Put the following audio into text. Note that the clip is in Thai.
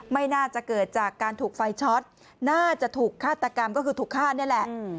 ไม่น่าจะเกิดจากการถูกไฟช็อตน่าจะถูกฆาตกรรมก็คือถูกฆ่านี่แหละ